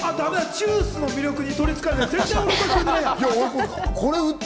ジュースの魅力にとりつかれちゃって。